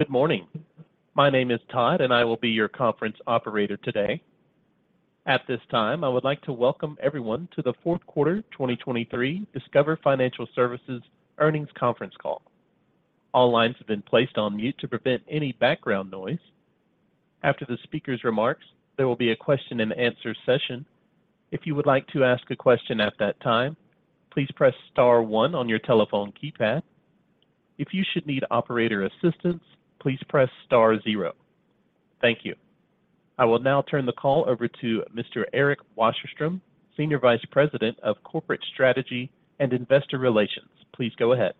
Good morning. My name is Todd, and I will be your conference operator today. At this time, I would like to welcome everyone to the fourth quarter, 2023 Discover Financial Services earnings conference call. All lines have been placed on mute to prevent any background noise. After the speaker's remarks, there will be a question-and-answer session. If you would like to ask a question at that time, please press star one on your telephone keypad. If you should need operator assistance, please press star zero. Thank you. I will now turn the call over to Mr. Eric Wasserstrom, Senior Vice President of Corporate Strategy and Investor Relations. Please go ahead.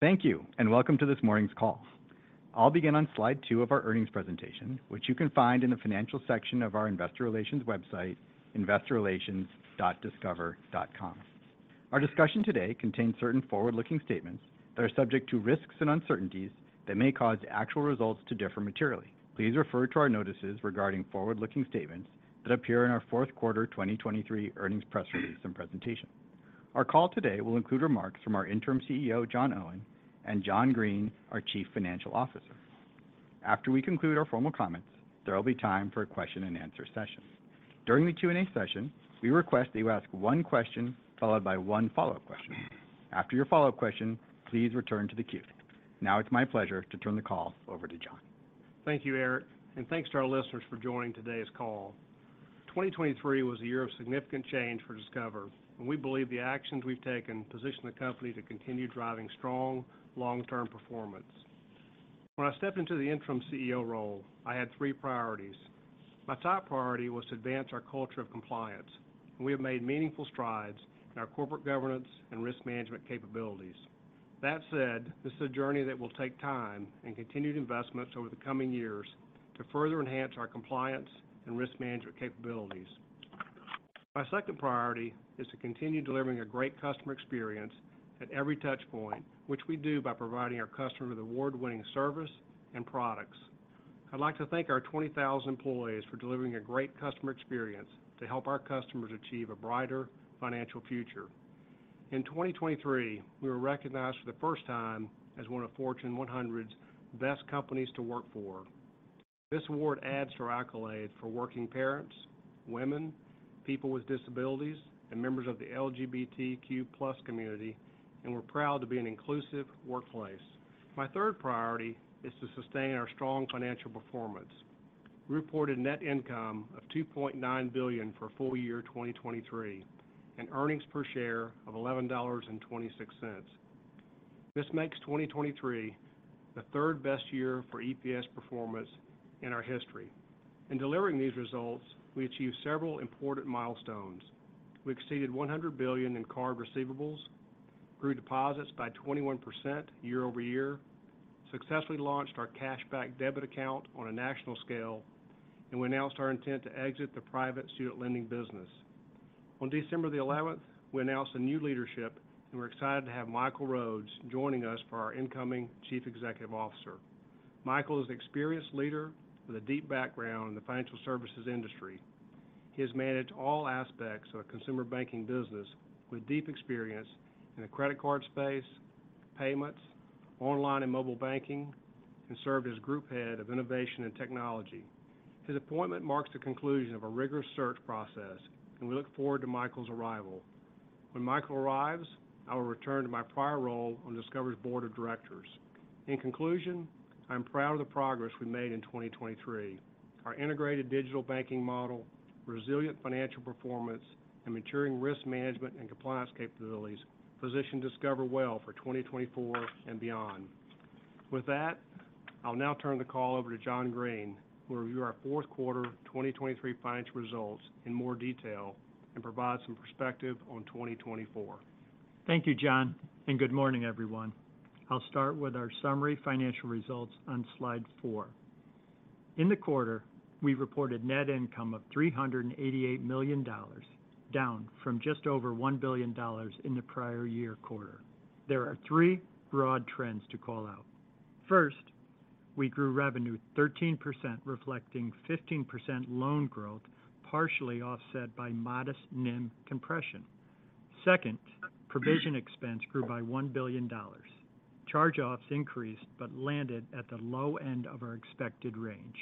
Thank you, and welcome to this morning's call. I'll begin on slide two of our earnings presentation, which you can find in the financial section of our investor relations website, investorrelations.discover.com. Our discussion today contains certain forward-looking statements that are subject to risks and uncertainties that may cause actual results to differ materially. Please refer to our notices regarding forward looking statements that appear in our fourth quarter 2023 earnings press release and presentation. Our call today will include remarks from our Interim CEO, John Owen, and John Greene, our Chief Financial Officer. After we conclude our formal comments, there will be time for a question-and-answer session. During the Q&A session, we request that you ask one question followed by one follow-up question. After your follow-up question, please return to the queue. Now it's my pleasure to turn the call over to John. Thank you, Eric, and thanks to our listeners for joining today's call. 2023 was a year of significant change for Discover, and we believe the actions we've taken position the company to continue driving strong, long-term performance. When I stepped into the interim CEO role, I had three priorities. My top priority was to advance our culture of compliance, and we have made meaningful strides in our corporate governance and risk management capabilities. That said, this is a journey that will take time and continued investments over the coming years to further enhance our compliance and risk management capabilities. My second priority is to continue delivering a great customer experience at every touchpoint, which we do by providing our customers with award-winning service and products. I'd like to thank our 20,000 employees for delivering a great customer experience to help our customers achieve a brighter financial future. In 2023, we were recognized for the first time as one of Fortune 100 Best Companies to Work For. This award adds to our accolade for working parents, women, people with disabilities, and members of the LGBTQ+ community, and we're proud to be an inclusive workplace. My third priority is to sustain our strong financial performance. Reported net income of $2.9 billion for full year 2023, and earnings per share of $11.26. This makes 2023 the third best year for EPS performance in our history. In delivering these results, we achieved several important milestones. We exceeded $100 billion in card receivables, grew deposits by 21% year-over-year, successfully launched our cash back debit account on a national scale, and we announced our intent to exit the private student lending business. On December the eleventh, we announced a new leadership, and we're excited to have Michael Rhodes joining us for our incoming Chief Executive Officer. Michael is an experienced leader with a deep background in the financial services industry. He has managed all aspects of consumer banking business with deep experience in the credit card space, payments, online and mobile banking, and served as Group Head of Innovation and Technology. His appointment marks the conclusion of a rigorous search process, and we look forward to Michael's arrival. When Michael arrives, I will return to my prior role on Discover's board of directors. In conclusion, I'm proud of the progress we made in 2023. Our integrated digital banking model, resilient financial performance, and maturing risk management and compliance capabilities position Discover well for 2024 and beyond. With that, I'll now turn the call over to John Greene, who will review our fourth quarter 2023 financial results in more detail and provide some perspective on 2024. Thank you, John, and good morning, everyone. I'll start with our summary financial results on slide four. In the quarter, we reported net income of $388 million, down from just over $1 billion in the prior year quarter. There are three broad trends to call out. First, we grew revenue 13%, reflecting 15% loan growth, partially offset by modest NIM compression. Second, provision expense grew by $1 billion. Charge-offs increased but landed at the low end of our expected range.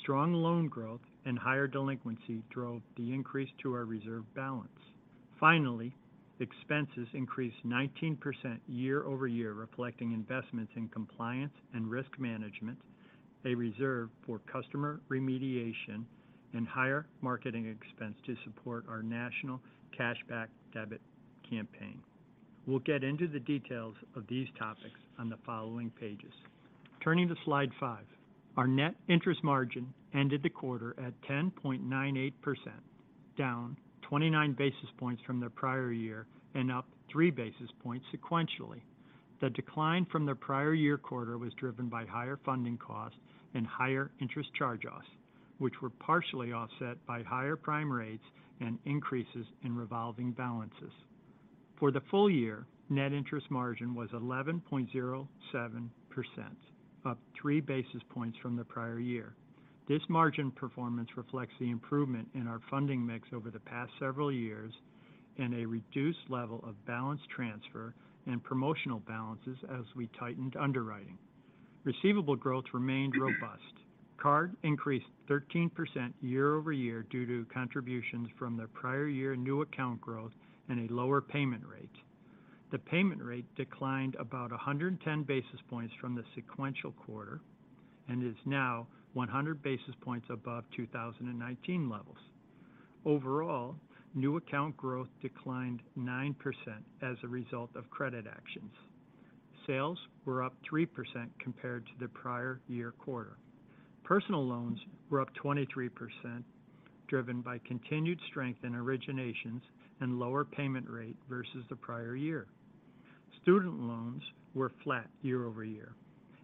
Strong loan growth and higher delinquency drove the increase to our reserve balance. Finally, expenses increased 19% year-over-year, reflecting investments in compliance and risk management, a reserve for customer remediation, and higher marketing expense to support our national cashback debit campaign. We'll get into the details of these topics on the following pages. Turning to slide five. Our net interest margin ended the quarter at 10.98%, down 29 basis points from the prior year and up 3 basis points sequentially. The decline from the prior year quarter was driven by higher funding costs and higher interest charge-offs, which were partially offset by higher prime rates and increases in revolving balances. For the full year, net interest margin was 11.07%, up 3 basis points from the prior year. This margin performance reflects the improvement in our funding mix over the past several years... and a reduced level of balance transfer and promotional balances as we tightened underwriting. Receivable growth remained robust. Card increased 13% year-over-year due to contributions from the prior year new account growth and a lower payment rate. The payment rate declined about 110 basis points from the sequential quarter and is now 100 basis points above 2019 levels. Overall, new account growth declined 9% as a result of credit actions. Sales were up 3% compared to the prior year quarter. Personal loans were up 23%, driven by continued strength in originations and lower payment rate versus the prior year. Student loans were flat year-over-year.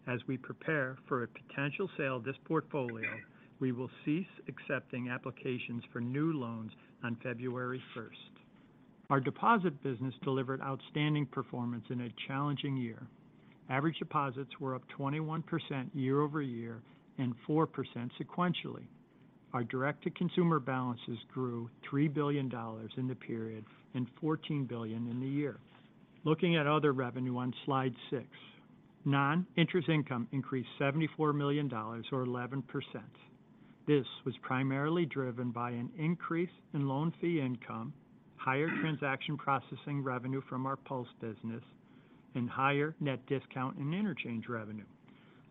As we prepare for a potential sale of this portfolio, we will cease accepting applications for new loans on February 1. Our deposit business delivered outstanding performance in a challenging year. Average deposits were up 21% year-over-year and 4% sequentially. Our direct-to-consumer balances grew $3 billion in the period and $14 billion in the year. Looking at other revenue on slide six, non-interest income increased $74 million or 11%. This was primarily driven by an increase in loan fee income, higher transaction processing revenue from our PULSE business, and higher net discount in interchange revenue.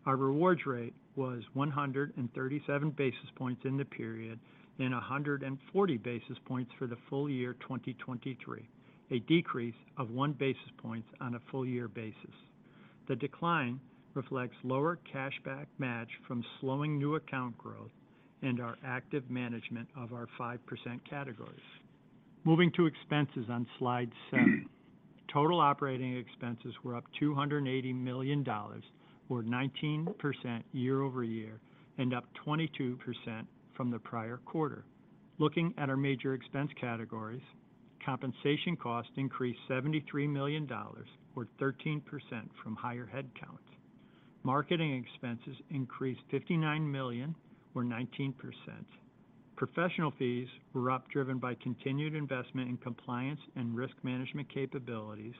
Our rewards rate was 137 basis points in the period and 140 basis points for the full year 2023, a decrease of 1 basis points on a full year basis. The decline reflects lower cashback match from slowing new account growth and our active management of our 5% categories. Moving to expenses on Slide seven. Total operating expenses were up $280 million, or 19% year-over-year, and up 22% from the prior quarter. Looking at our major expense categories, compensation cost increased $73 million, or 13% from higher headcount. Marketing expenses increased $59 million, or 19%. Professional fees were up, driven by continued investment in compliance and risk management capabilities,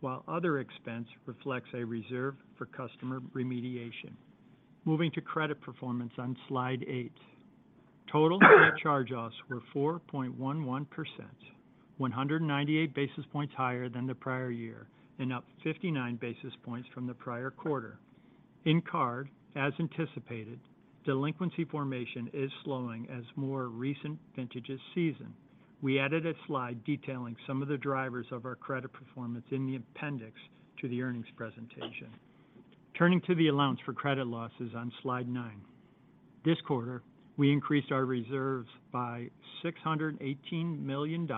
while other expense reflects a reserve for customer remediation. Moving to credit performance on Slide eight. Total net charge-offs were 4.11%, 198 basis points higher than the prior year, and up 59 basis points from the prior quarter. In Card, as anticipated, delinquency formation is slowing as more recent vintages season. We added a slide detailing some of the drivers of our credit performance in the appendix to the earnings presentation. Turning to the allowance for credit losses on Slide nine. This quarter, we increased our reserves by $618 million,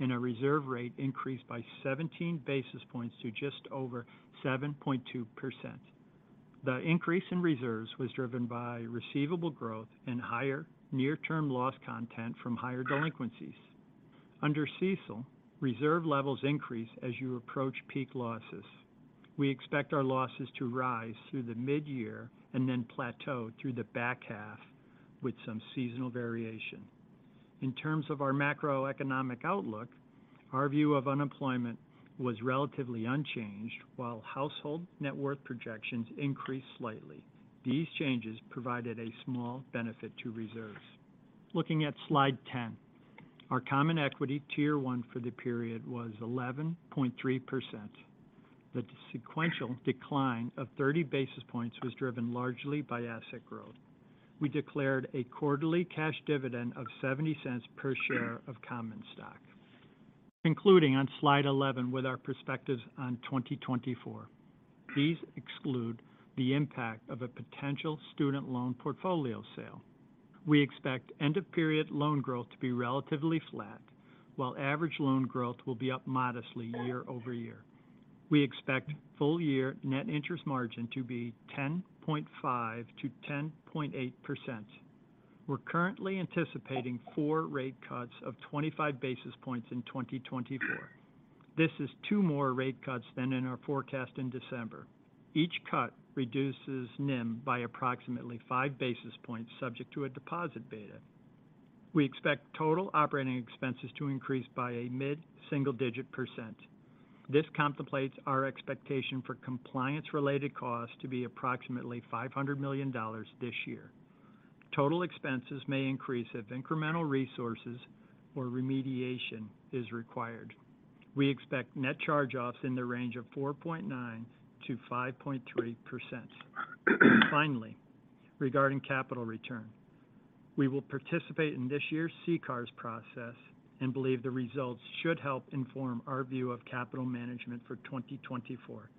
and our reserve rate increased by 17 basis points to just over 7.2%. The increase in reserves was driven by receivable growth and higher near-term loss content from higher delinquencies. Under CECL, reserve levels increase as you approach peak losses. We expect our losses to rise through the mid-year and then plateau through the back half with some seasonal variation. In terms of our macroeconomic outlook, our view of unemployment was relatively unchanged, while household net worth projections increased slightly. These changes provided a small benefit to reserves. Looking at Slide 10, our Common Equity Tier 1 for the period was 11.3%. The sequential decline of 30 basis points was driven largely by asset growth. We declared a quarterly cash dividend of $0.70 per share of common stock. Concluding on Slide 11 with our perspectives on 2024. These exclude the impact of a potential student loan portfolio sale. We expect end-of-period loan growth to be relatively flat, while average loan growth will be up modestly year-over-year. We expect full year net interest margin to be 10.5%-10.8%. We're currently anticipating four rate cuts of 25 basis points in 2024. This is two more rate cuts than in our forecast in December. Each cut reduces NIM by approximately 5 basis points, subject to a deposit beta. We expect total operating expenses to increase by a mid-single-digit %. This contemplates our expectation for compliance-related costs to be approximately $500 million this year. Total expenses may increase if incremental resources or remediation is required. We expect net charge-offs in the range of 4.9%-5.3%. Finally, regarding capital return, we will participate in this year's CCAR process and believe the results should help inform our view of capital management for 2024.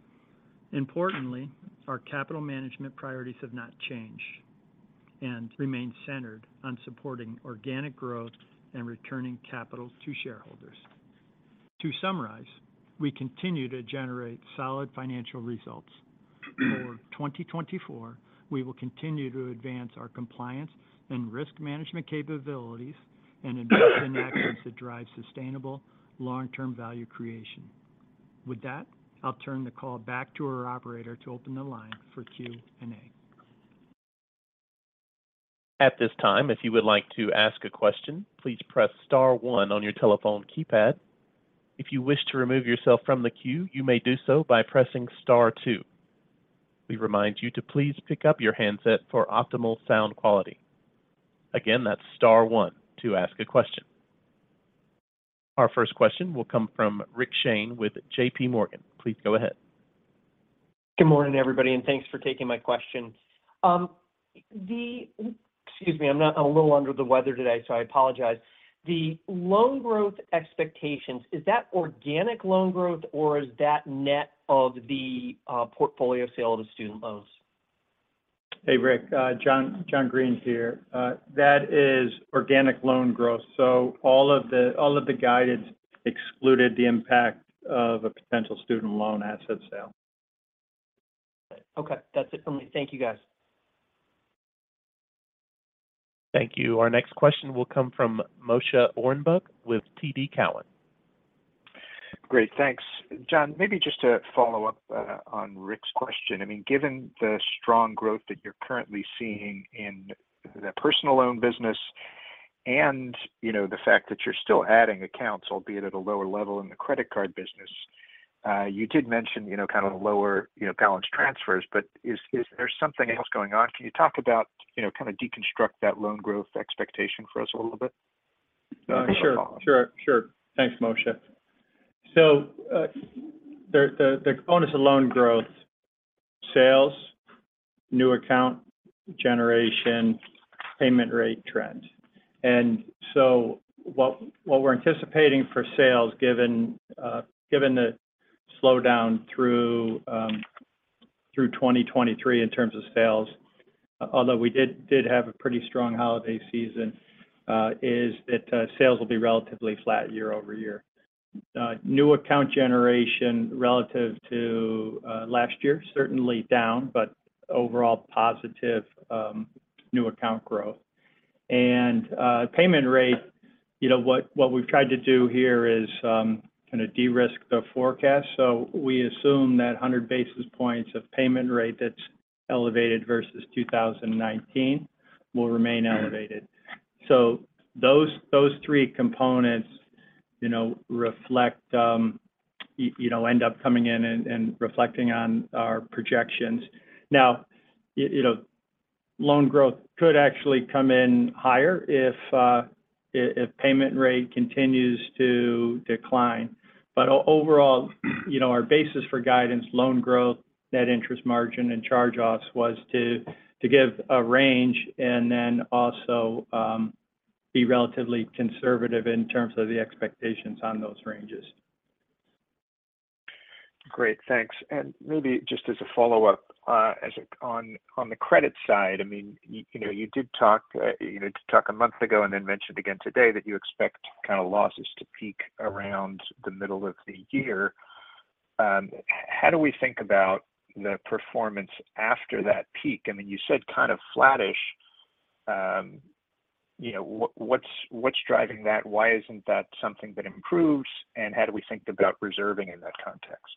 Importantly, our capital management priorities have not changed and remain centered on supporting organic growth and returning capital to shareholders. To summarize, we continue to generate solid financial results. For 2024, we will continue to advance our compliance and risk management capabilities and invest in actions that drive sustainable long-term value creation. With that, I'll turn the call back to our operator to open the line for Q&A.... At this time, if you would like to ask a question, please press star one on your telephone keypad. If you wish to remove yourself from the queue, you may do so by pressing star two. We remind you to please pick up your handset for optimal sound quality. Again, that's star one to ask a question. Our first question will come from Rick Shane with JPMorgan. Please go ahead. Good morning, everybody, and thanks for taking my question. Excuse me, I'm a little under the weather today, so I apologize. The loan growth expectations, is that organic loan growth or is that net of the portfolio sale of the student loans? Hey, Rick, John, John Greene here. That is organic loan growth. So all of the guidance excluded the impact of a potential student loan asset sale. Okay, that's it for me. Thank you, guys. Thank you. Our next question will come from Moshe Orenbuch with TD Cowen. Great, thanks. John, maybe just to follow up on Rick's question. I mean, given the strong growth that you're currently seeing in the personal loan business and, you know, the fact that you're still adding accounts, albeit at a lower level in the credit card business, you did mention, you know, kind of the lower, you know, balance transfers, but is there something else going on? Can you talk about... you know, kind of deconstruct that loan growth expectation for us a little bit? Sure, sure, sure. Thanks, Moshe. So, the components of loan growth, sales, new account generation, payment rate trends. And so what we're anticipating for sales, given the slowdown through 2023 in terms of sales, although we did have a pretty strong holiday season, is that sales will be relatively flat year-over-year. New account generation relative to last year, certainly down, but overall positive new account growth. And payment rate, you know, what we've tried to do here is kind of de-risk the forecast. So we assume that 100 basis points of payment rate that's elevated versus 2019 will remain elevated. So those three components, you know, reflect... you know, end up coming in and reflecting on our projections. Now, you know, loan growth could actually come in higher if payment rate continues to decline. But overall, you know, our basis for guidance, loan growth, net interest margin, and charge-offs was to give a range and then also be relatively conservative in terms of the expectations on those ranges. Great, thanks. And maybe just as a follow-up on the credit side, I mean, you know, you did talk, you know, talk a month ago and then mentioned again today that you expect kind of losses to peak around the middle of the year. How do we think about the performance after that peak? I mean, you said kind of flattish. You know, what's driving that? Why isn't that something that improves, and how do we think about reserving in that context?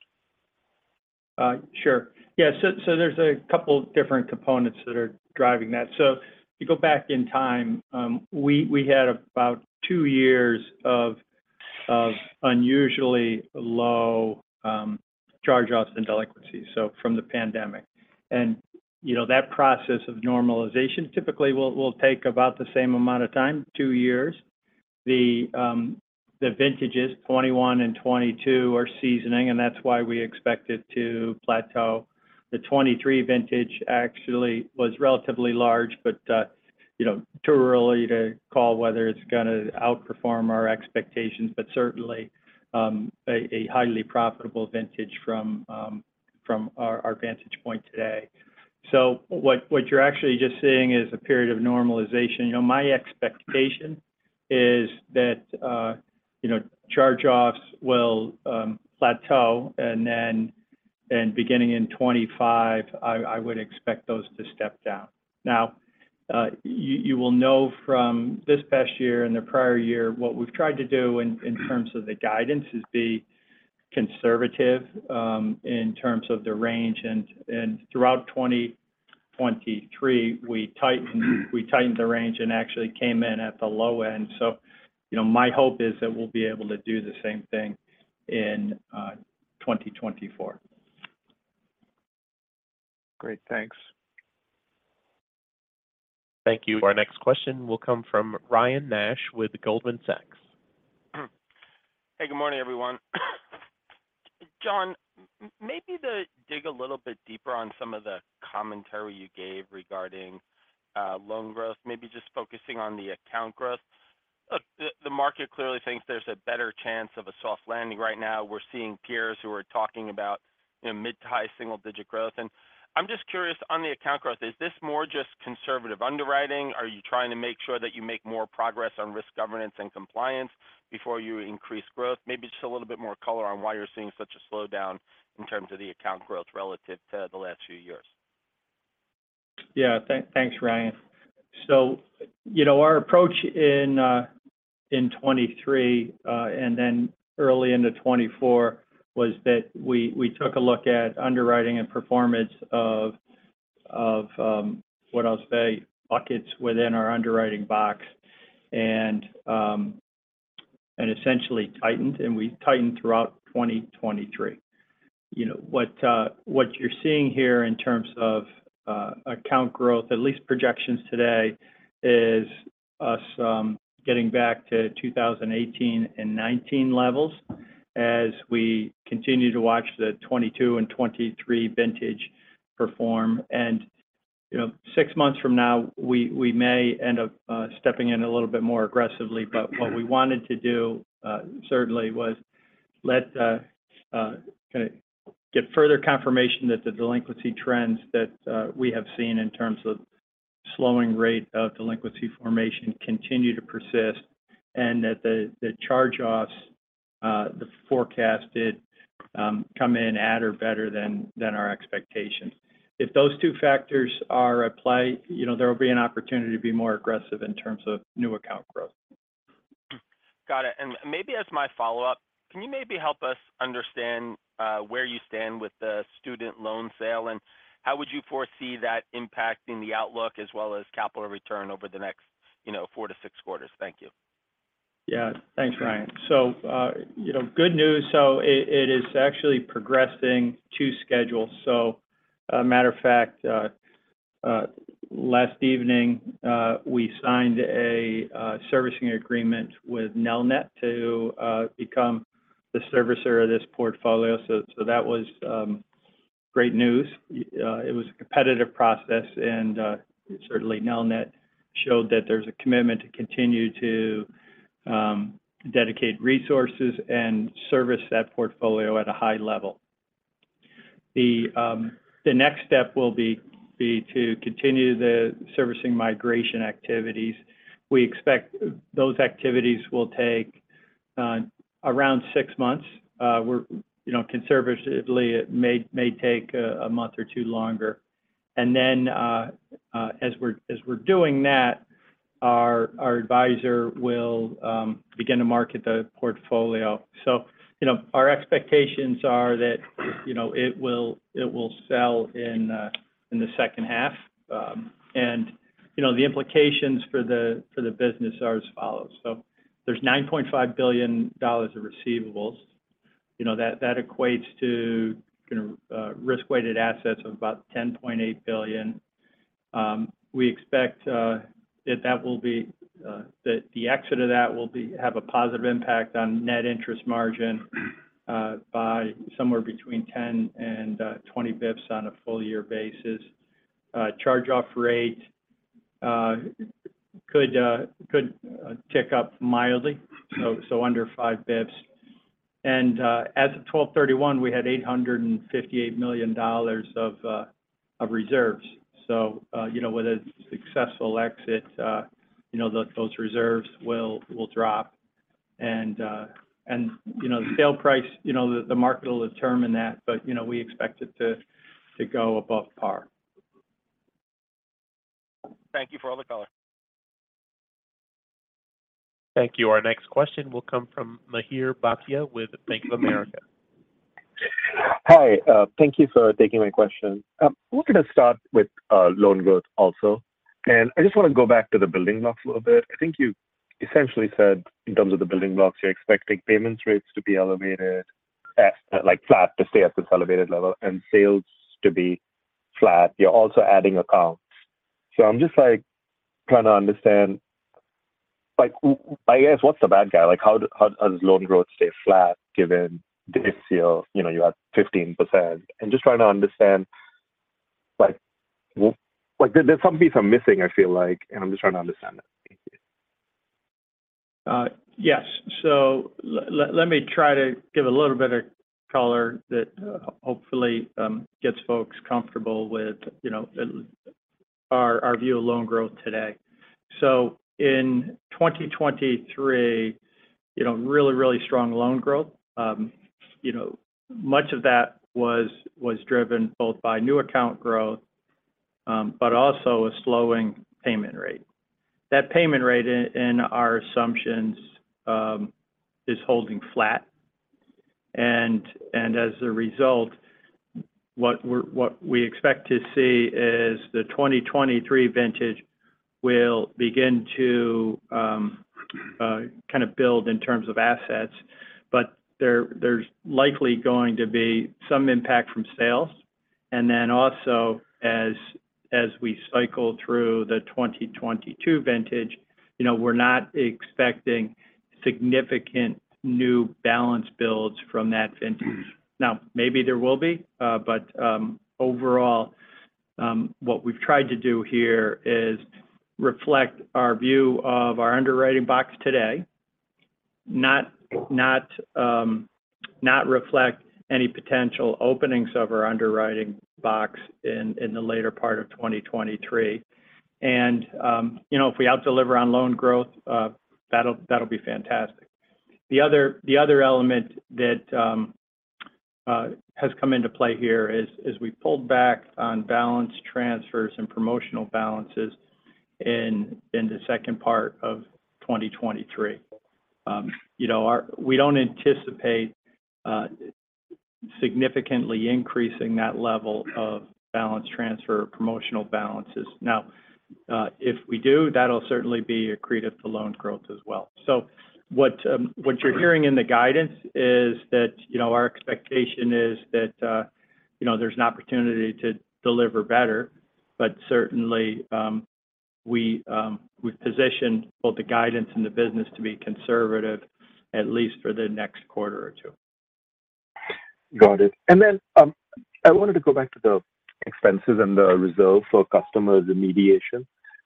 Sure. Yeah, so, so there's a couple different components that are driving that. So if you go back in time, we, we had about two years of, of unusually low, charge-offs and delinquencies, so from the pandemic. And, you know, that process of normalization typically will, will take about the same amount of time, two years. The, the vintages 2021 and 2022 are seasoning, and that's why we expect it to plateau. The 2023 vintage actually was relatively large, but, you know, too early to call whether it's going to outperform our expectations, but certainly, a, a highly profitable vintage from, from our, our vantage point today. So what, what you're actually just seeing is a period of normalization. You know, my expectation is that, you know, charge-offs will plateau, and then, and beginning in 2025, I, I would expect those to step down. Now, you, you will know from this past year and the prior year, what we've tried to do in, in terms of the guidance is be conservative, in terms of the range. And, and throughout 2023, we tightened, we tightened the range and actually came in at the low end. So, you know, my hope is that we'll be able to do the same thing in, 2024. Great. Thanks. Thank you. Our next question will come from Ryan Nash with Goldman Sachs. Hey, good morning, everyone. John, maybe to dig a little bit deeper on some of the commentary you gave regarding loan growth, maybe just focusing on the account growth. Look, the market clearly thinks there's a better chance of a soft landing right now. We're seeing peers who are talking about, you know, mid to high single-digit growth. And I'm just curious, on the account growth, is this more just conservative underwriting? Are you trying to make sure that you make more progress on risk governance and compliance before you increase growth? Maybe just a little bit more color on why you're seeing such a slowdown in terms of the account growth relative to the last few years. Yeah. Thanks, Ryan. So, you know, our approach in 2023 and then early into 2024 was that we took a look at underwriting and performance of what I'll say, buckets within our underwriting box. And essentially tightened, and we tightened throughout 2023. You know what you're seeing here in terms of account growth, at least projections today, is us getting back to 2018 and 2019 levels as we continue to watch the 2022 and 2023 vintage perform. And, you know, six months from now, we may end up stepping in a little bit more aggressively. But what we wanted to do, certainly, was let kind of get further confirmation that the delinquency trends that we have seen in terms of slowing rate of delinquency formation continue to persist, and that the charge-offs, the forecasted, come in at or better than our expectations. If those two factors are at play, you know, there will be an opportunity to be more aggressive in terms of new account growth. Got it. And maybe as my follow-up, can you maybe help us understand, where you stand with the student loan sale? And how would you foresee that impacting the outlook as well as capital return over the next, you know, four to six quarters? Thank you. Yeah. Thanks, Ryan. So, you know, good news. So it is actually progressing to schedule. So, matter of fact, last evening, we signed a servicing agreement with Nelnet to become the servicer of this portfolio. So, that was great news. It was a competitive process, and certainly Nelnet showed that there's a commitment to continue to dedicate resources and service that portfolio at a high level. The next step will be to continue the servicing migration activities. We expect those activities will take around six months. You know, conservatively, it may take a month or two longer. And then, as we're doing that, our advisor will begin to market the portfolio. So, you know, our expectations are that, you know, it will sell in the second half. And, you know, the implications for the business are as follows: so there's $9.5 billion of receivables. You know, that equates to kind of risk-weighted assets of about $10.8 billion. We expect that the exit of that will have a positive impact on net interest margin by somewhere between 10 and 20 basis points on a full year basis. Charge-off rate could tick up mildly, so under 5 basis points. And, as of 12/31, we had $858 million of reserves. So, you know, with a successful exit, you know, those reserves will drop. You know, the sale price, you know, the market will determine that, but you know, we expect it to go above par. Thank you for all the color. Thank you. Our next question will come from Mihir Bhatia with Bank of America. Hi, thank you for taking my question. We're going to start with loan growth also. And I just want to go back to the building blocks a little bit. I think you essentially said, in terms of the building blocks, you're expecting payment rates to be elevated at, like, flat, to stay at this elevated level, and sales to be flat. You're also adding accounts. So I'm just, like, trying to understand, like, I guess, what's the bad guy? Like, how does, how does loan growth stay flat given this year? You know, you're at 15%. And just trying to understand, like, like, there's some pieces I'm missing, I feel like, and I'm just trying to understand that. Thank you. Yes. So let me try to give a little bit of color that hopefully gets folks comfortable with, you know, at least our view of loan growth today. So in 2023, you know, really, really strong loan growth. You know, much of that was driven both by new account growth but also a slowing payment rate. That payment rate in our assumptions is holding flat. And as a result, what we expect to see is the 2023 vintage will begin to kind of build in terms of assets, but there's likely going to be some impact from sales. And then also, as we cycle through the 2022 vintage, you know, we're not expecting significant new balance builds from that vintage. Now, maybe there will be, but overall, what we've tried to do here is reflect our view of our underwriting box today, not reflect any potential openings of our underwriting box in the later part of 2023. And, you know, if we out-deliver on loan growth, that'll be fantastic. The other element that has come into play here is, as we pulled back on balance transfers and promotional balances in the second part of 2023. You know, we don't anticipate significantly increasing that level of balance transfer or promotional balances. Now, if we do, that'll certainly be accretive to loan growth as well. So what you're hearing in the guidance is that, you know, our expectation is that, you know, there's an opportunity to deliver better. But certainly, we've positioned both the guidance and the business to be conservative, at least for the next quarter or two. Got it. And then, I wanted to go back to the expenses and the reserve for customer remediation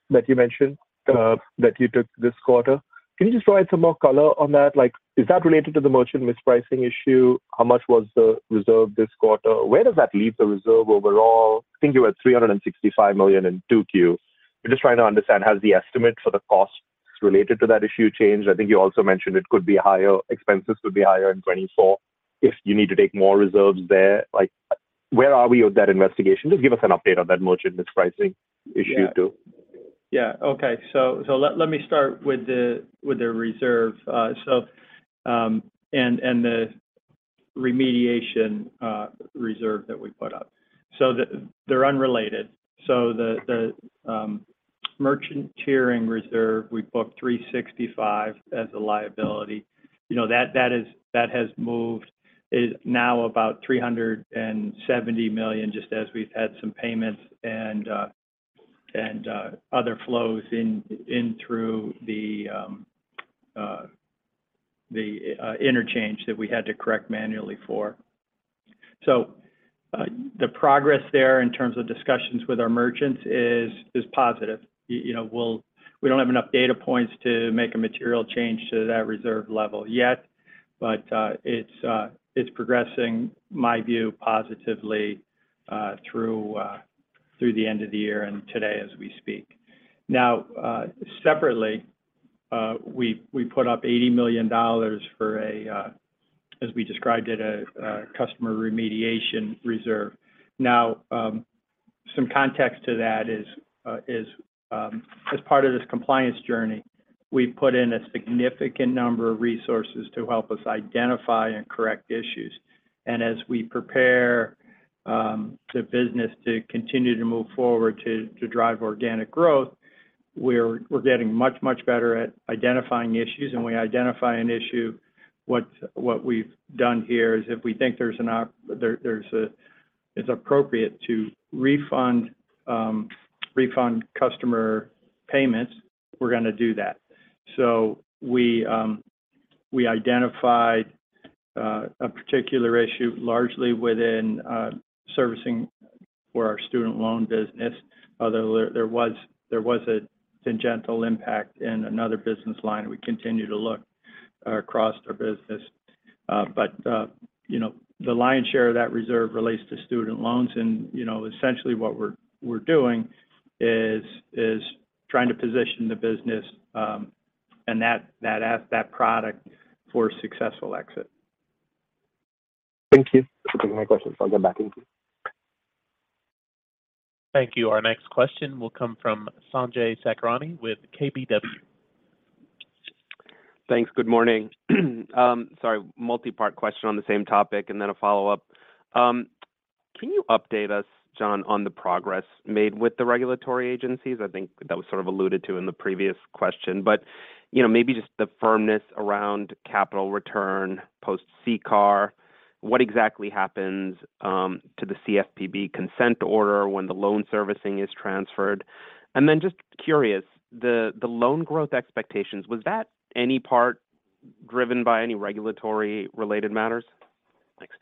that you mentioned, that you took this quarter. Can you just provide some more color on that? Like, is that related to the merchant mispricing issue? How much was the reserve this quarter? Where does that leave the reserve overall? I think you had $365 million in 2Q. I'm just trying to understand, has the estimate for the cost related to that issue changed? I think you also mentioned it could be higher, expenses could be higher in 2024 if you need to take more reserves there. Like, where are we with that investigation? Just give us an update on that merchant mispricing issue, too. Yeah. Okay. So let me start with the reserve. So the remediation reserve that we put up. So they're unrelated. So the merchant tiering reserve, we booked $365 million as a liability. You know, that has moved. It is now about $370 million, just as we've had some payments and other flows in through the interchange that we had to correct manually for. So the progress there in terms of discussions with our merchants is positive. You know, we don't have enough data points to make a material change to that reserve level yet, but it's progressing, my view, positively through the end of the year and today as we speak. Now, separately, we put up $80 million for a, as we described it, a customer remediation reserve. Now, some context to that is, as part of this compliance journey, we've put in a significant number of resources to help us identify and correct issues. And as we prepare the business to continue to move forward to drive organic growth, we're getting much, much better at identifying issues. And when we identify an issue, what we've done here is if we think it's appropriate to refund customer payments, we're going to do that. So we identified a particular issue largely within servicing for our student loan business. Although there was a tangential impact in another business line, we continue to look across our business. But, you know, the lion's share of that reserve relates to student loans. And, you know, essentially what we're doing is trying to position the business, and that product for a successful exit. Thank you. That's my questions. I'll go back to you. Thank you. Our next question will come from Sanjay Sakhrani with KBW. Thanks. Good morning. Sorry, multi-part question on the same topic, and then a follow-up. Can you update us, John, on the progress made with the regulatory agencies? I think that was sort of alluded to in the previous question, but, you know, maybe just the firmness around capital return post CCAR. What exactly happens to the CFPB consent order when the loan servicing is transferred? And then just curious, the loan growth expectations, was that any part driven by any regulatory-related matters? Thanks.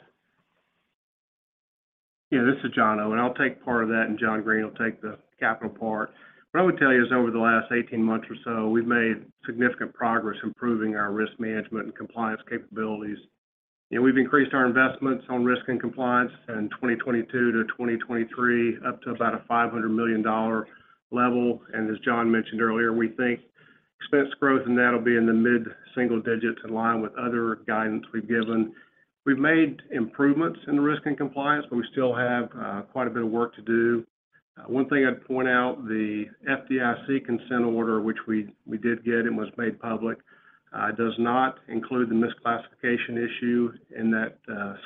Yeah, this is John Owen. I'll take part of that, and John Greene will take the capital part. What I would tell you is, over the last 18 months or so, we've made significant progress improving our risk management and compliance capabilities. You know, we've increased our investments on risk and compliance in 2022 to 2023, up to about a $500 million level. And as John mentioned earlier, we think expense growth in that will be in the mid-single digits, in line with other guidance we've given. We've made improvements in the risk and compliance, but we still have quite a bit of work to do. One thing I'd point out, the FDIC consent order, which we, we did get and was made public, does not include the misclassification issue in that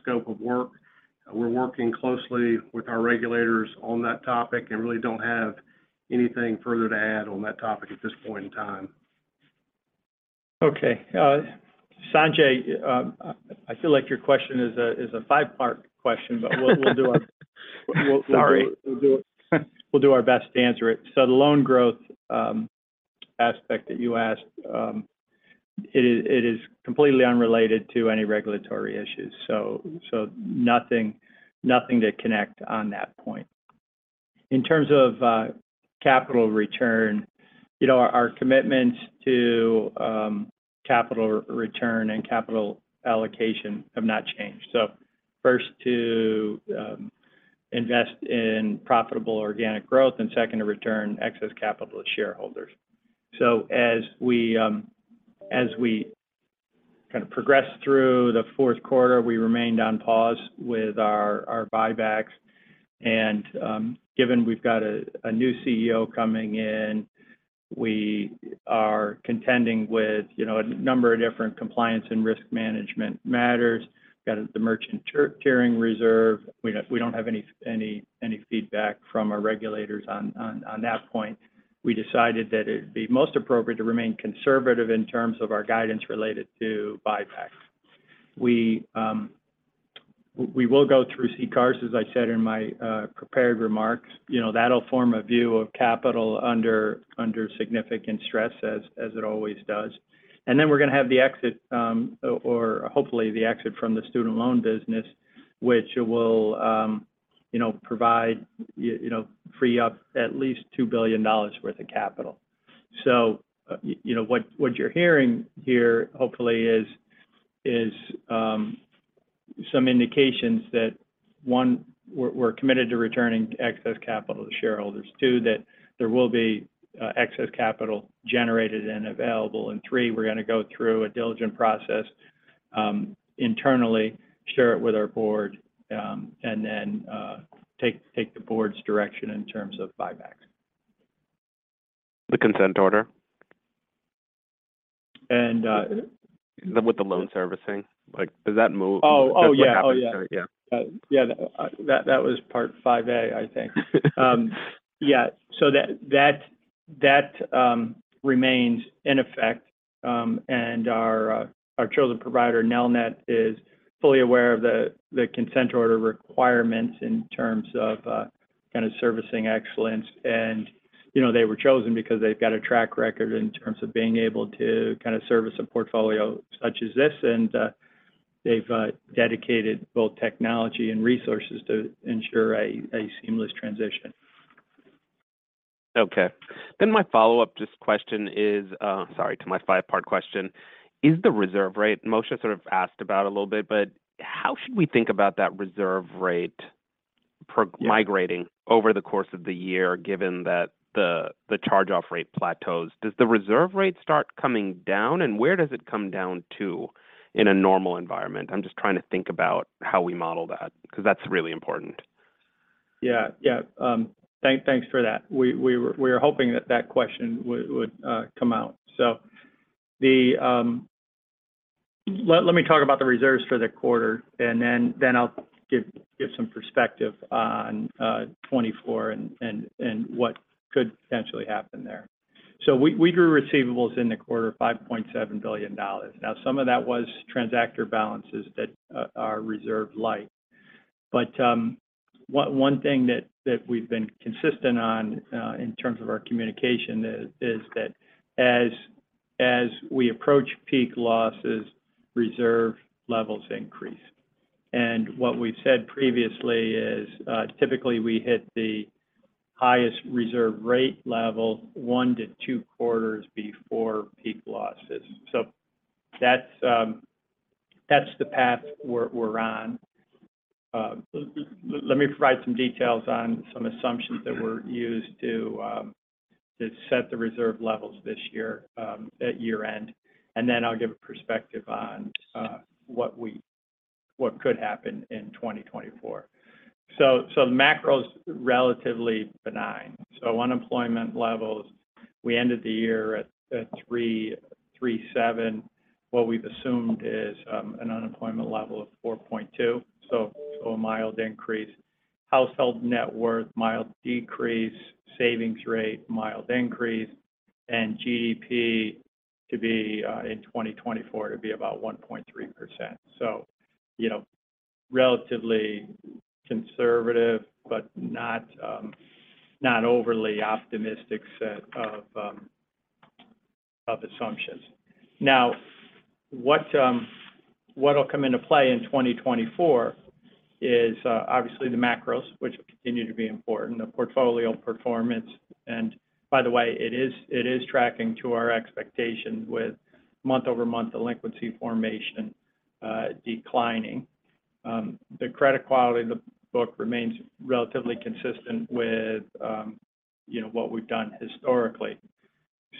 scope of work. We're working closely with our regulators on that topic, and really don't have anything further to add on that topic at this point in time. Okay, Sanjay, I feel like your question is a five-part question, but we'll do our- Sorry... We'll do it. We'll do our best to answer it. So the loan growth aspect that you asked, it is completely unrelated to any regulatory issues, so nothing to connect on that point. In terms of capital return, you know, our commitment to capital return and capital allocation have not changed. So first, invest in profitable organic growth, and second, to return excess capital to shareholders. So as we kind of progress through the fourth quarter, we remained on pause with our buybacks. And given we've got a new CEO coming in, we are contending with, you know, a number of different compliance and risk management matters. Got the merchant tiering reserve. We don't have any feedback from our regulators on that point. We decided that it'd be most appropriate to remain conservative in terms of our guidance related to buybacks. We, we will go through CCARs, as I said in my, prepared remarks. You know, that'll form a view of capital under, under significant stress, as, as it always does. And then we're gonna have the exit, or hopefully the exit from the student loan business, which will, you know, provide, you know, free up at least $2 billion worth of capital. So, you know, what, what you're hearing here hopefully is, is, some indications that, one, we're, we're committed to returning excess capital to shareholders. Two, that there will be, excess capital generated and available. And three, we're gonna go through a diligent process internally, share it with our board, and then take the board's direction in terms of buybacks. The consent order? And, uh- With the loan servicing, like, does that move? Oh, oh, yeah. Oh, yeah. Yeah. Yeah, that was part five A, I think. Yeah. So that remains in effect, and our chosen provider, Nelnet, is fully aware of the consent order requirements in terms of kind of servicing excellence. And, you know, they were chosen because they've got a track record in terms of being able to kind of service a portfolio such as this, and they've dedicated both technology and resources to ensure a seamless transition. Okay. Then my follow-up just question is, sorry, to my five-part question: Is the reserve rate, Moshe sort of asked about a little bit, but how should we think about that reserve rate per- Yeah... migrating over the course of the year, given that the charge-off rate plateaus? Does the reserve rate start coming down, and where does it come down to in a normal environment? I'm just trying to think about how we model that, because that's really important. Yeah, yeah. Thanks for that. We were hoping that that question would come out. So let me talk about the reserves for the quarter, and then I'll give some perspective on 2024 and what could potentially happen there. So we grew receivables in the quarter, $5.7 billion. Now, some of that was transactor balances that are reserved light. But one thing that we've been consistent on in terms of our communication is that as we approach peak losses, reserve levels increase. And what we've said previously is, typically, we hit the highest reserve rate level one to two quarters before peak losses. So that's the path we're on. Let me provide some details on some assumptions that were used to set the reserve levels this year at year-end, and then I'll give a perspective on what could happen in 2024. So the macro is relatively benign. So unemployment levels, we ended the year at 3.37. What we've assumed is an unemployment level of 4.2, so a mild increase. Household net worth, mild decrease, savings rate, mild increase, and GDP to be in 2024 to be about 1.3%. So, you know, relatively conservative, but not overly optimistic set of assumptions. Now, what will come into play in 2024 is obviously the macros, which will continue to be important, the portfolio performance. And by the way, it is tracking to our expectation, with month-over-month delinquency formation declining. The credit quality of the book remains relatively consistent with, you know, what we've done historically.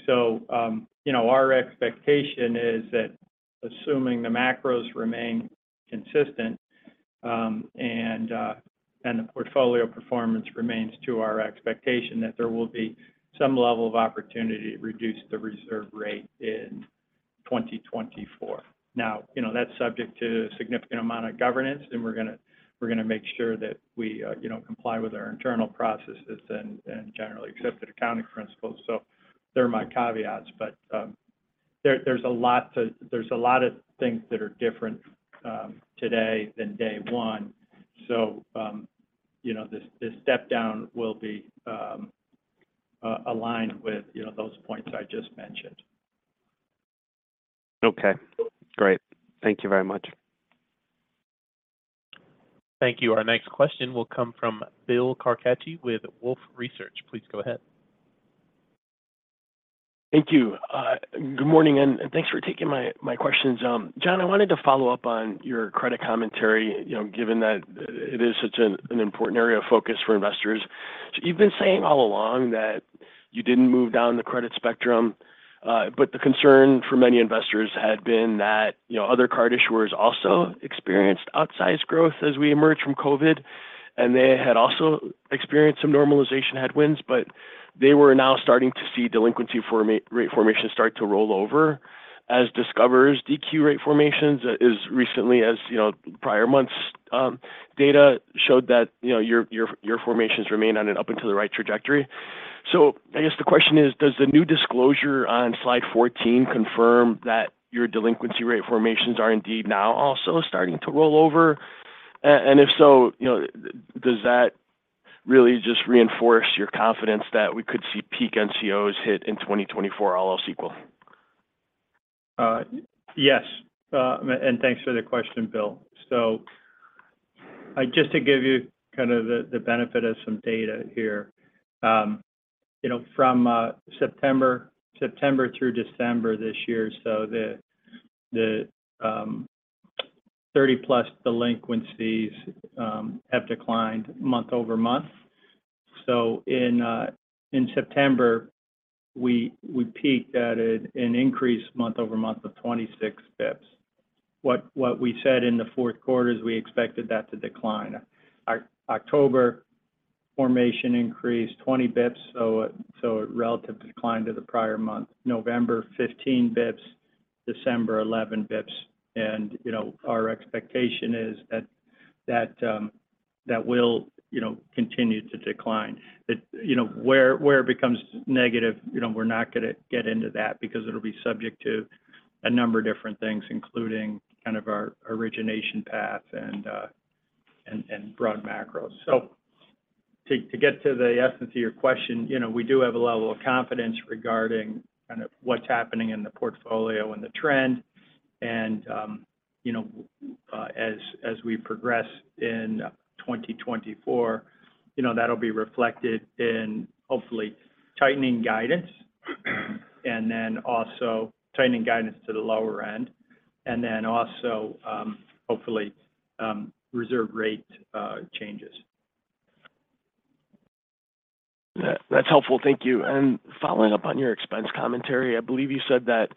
So, you know, our expectation is that assuming the macros remain consistent, and the portfolio performance remains to our expectation, that there will be some level of opportunity to reduce the reserve rate in 2024. Now, you know, that's subject to a significant amount of governance, and we're gonna make sure that we, you know, comply with our internal processes and generally accepted accounting principles. So they're my caveats. But, there's a lot of things that are different today than day one. You know, this step down will be aligned with, you know, those points I just mentioned. Okay, great. Thank you very much. Thank you. Our next question will come from Bill Carcache with Wolfe Research. Please go ahead.... Thank you. Good morning, and thanks for taking my questions. John, I wanted to follow up on your credit commentary, you know, given that it is such an important area of focus for investors. So you've been saying all along that you didn't move down the credit spectrum, but the concern for many investors had been that, you know, other card issuers also experienced outsized growth as we emerged from COVID, and they had also experienced some normalization headwinds. But they were now starting to see delinquency rate formation start to roll over as Discover's DQ rate formations as recently as, you know, prior months'. Data showed that, you know, your formations remain on an up and to the right trajectory. So I guess the question is, does the new disclosure on slide 14 confirm that your delinquency rate formations are indeed now also starting to roll over? And if so, you know, does that really just reinforce your confidence that we could see peak NCOs hit in 2024, all else equal? Yes. And thanks for the question, Bill. So, just to give you kind of the benefit of some data here, you know, from September through December this year, so the 30+ delinquencies have declined month-over-month. So in September, we peaked at an increase month-over-month of 26 basis points. What we said in the fourth quarter is we expected that to decline. October formation increased 20 basis points, so a relative decline to the prior month. November, 15 basis points. December, 11 basis points. And, you know, our expectation is that that will, you know, continue to decline. That, you know, where it becomes negative, you know, we're not going to get into that because it'll be subject to a number of different things, including kind of our origination path and broad macro. So to get to the essence of your question, you know, we do have a level of confidence regarding kind of what's happening in the portfolio and the trend. And, you know, as we progress in 2024, you know, that'll be reflected in hopefully tightening guidance, and then also tightening guidance to the lower end, and then also hopefully reserve rate changes. That's helpful. Thank you. And following up on your expense commentary, I believe you said that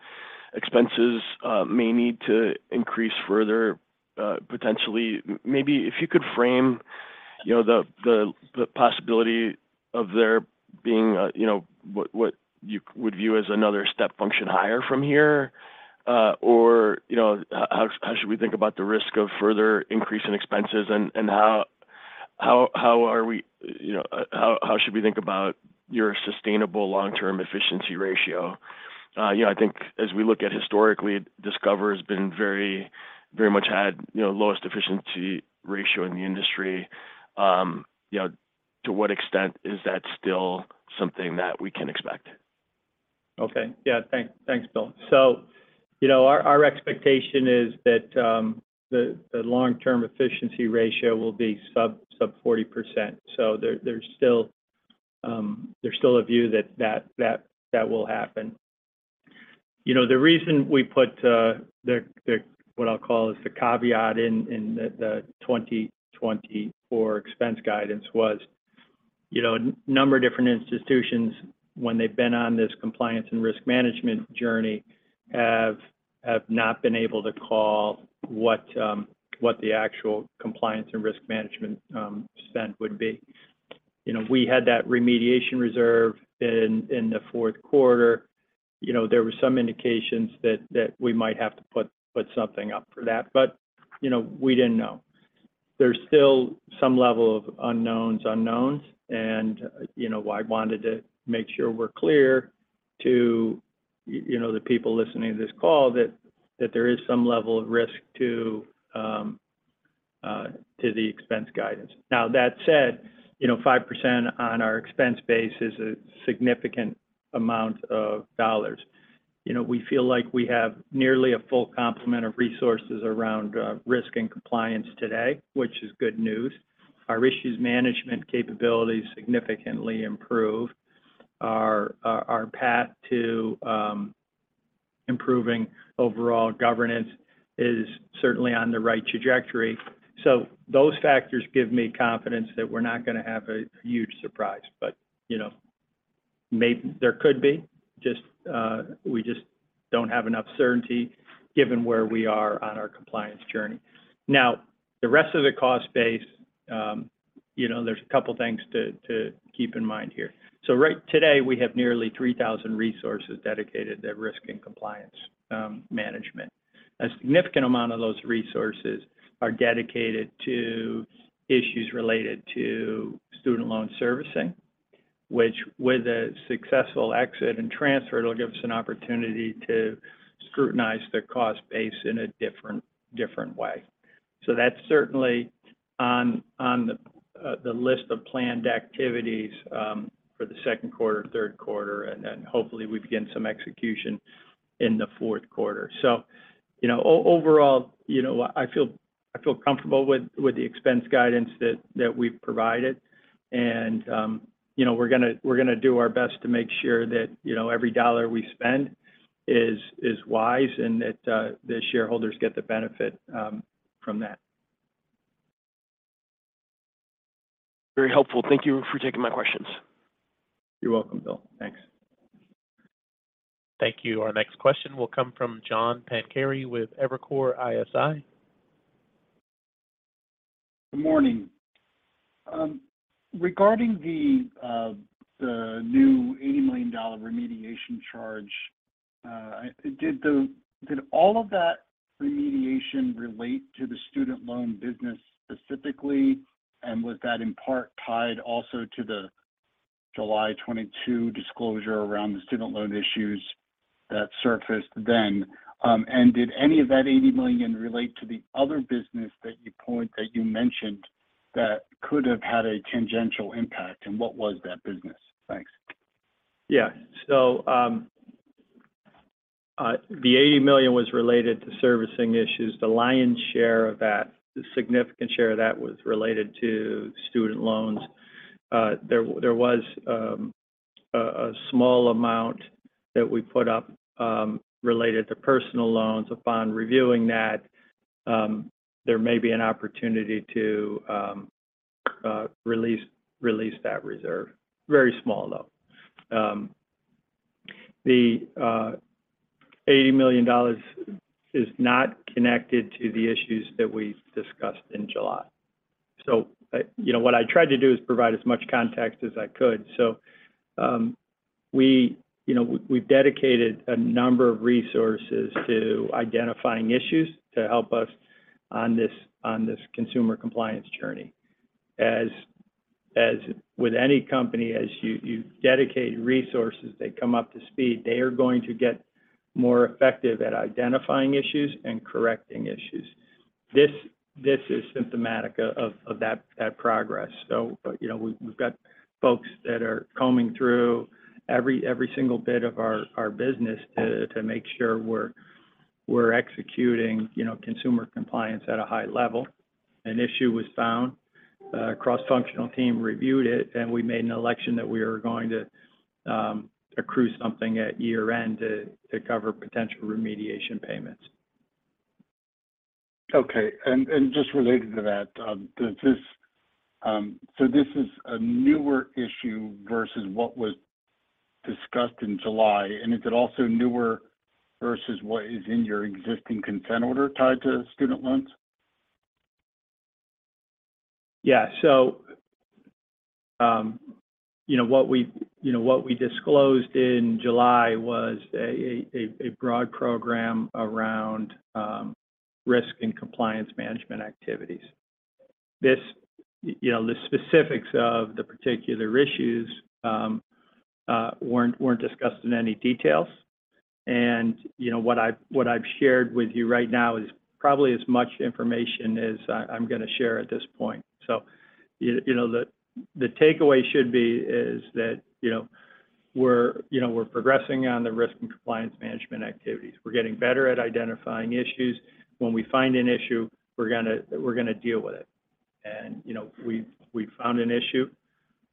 expenses may need to increase further, potentially. Maybe if you could frame, you know, the possibility of there being a, you know, what you would view as another step function higher from here? Or, you know, how should we think about the risk of further increase in expenses, and how are we... You know, how should we think about your sustainable long-term efficiency ratio? You know, I think as we look at historically, Discover has been very, very much had, you know, lowest efficiency ratio in the industry. You know, to what extent is that still something that we can expect? Okay. Yeah, thanks, Bill. So, you know, our expectation is that the long-term efficiency ratio will be sub 40%. So there's still a view that that will happen. You know, the reason we put the what I'll call is the caveat in the 2024 expense guidance was, you know, a number of different institutions, when they've been on this compliance and risk management journey, have not been able to call what the actual compliance and risk management spend would be. You know, we had that remediation reserve in the fourth quarter. You know, there were some indications that we might have to put something up for that. But, you know, we didn't know. There's still some level of unknowns, unknowns, and, you know, I wanted to make sure we're clear to you know, the people listening to this call, that, that there is some level of risk to, to the expense guidance. Now, that said, you know, 5% on our expense base is a significant amount of dollars. You know, we feel like we have nearly a full complement of resources around, risk and compliance today, which is good news. Our issues management capabilities significantly improve. Our path to, improving overall governance is certainly on the right trajectory. So those factors give me confidence that we're not going to have a huge surprise. But, you know, there could be, just, we just don't have enough certainty given where we are on our compliance journey. Now, the rest of the cost base, you know, there's a couple things to keep in mind here. So right today, we have nearly 3,000 resources dedicated to risk and compliance management. A significant amount of those resources are dedicated to issues related to student loan servicing, which with a successful exit and transfer, it'll give us an opportunity to scrutinize the cost base in a different way. So that's certainly on the list of planned activities for the second quarter, third quarter, and then hopefully, we begin some execution in the fourth quarter. So, you know, overall, you know, I feel comfortable with the expense guidance that we've provided. You know, we're gonna, we're gonna do our best to make sure that, you know, every dollar we spend is wise and that the shareholders get the benefit from that. Very helpful. Thank you for taking my questions. You're welcome, Bill. Thanks. Thank you. Our next question will come from John Pancari with Evercore ISI. Good morning. Regarding the new $80 million remediation charge, did all of that remediation relate to the student loan business specifically? And was that in part tied also to the July 2022 disclosure around the student loan issues that surfaced then? And did any of that $80 million relate to the other business that you mentioned that could have had a tangential impact, and what was that business? Thanks. Yeah. So, the $80 million was related to servicing issues. The lion's share of that, the significant share of that, was related to student loans. There was a small amount that we put up related to personal loans. Upon reviewing that, there may be an opportunity to release that reserve. Very small, though. The $80 million is not connected to the issues that we discussed in July. So, you know, what I tried to do is provide as much context as I could. So, you know, we've dedicated a number of resources to identifying issues to help us on this consumer compliance journey. As with any company, as you dedicate resources, they come up to speed, they are going to get more effective at identifying issues and correcting issues. This is symptomatic of that progress. So, you know, we've got folks that are combing through every single bit of our business to make sure we're executing, you know, consumer compliance at a high level. An issue was found, a cross-functional team reviewed it, and we made an election that we are going to accrue something at year-end to cover potential remediation payments. Okay. And just related to that, so this is a newer issue versus what was discussed in July, and is it also newer versus what is in your existing consent order tied to student loans? Yeah. So, you know, what we disclosed in July was a broad program around risk and compliance management activities. This, you know, the specifics of the particular issues weren't discussed in any details. And, you know, what I've shared with you right now is probably as much information as I'm gonna share at this point. So you know, the takeaway should be is that, you know, we're progressing on the risk and compliance management activities. We're getting better at identifying issues. When we find an issue, we're gonna deal with it. And, you know, we found an issue,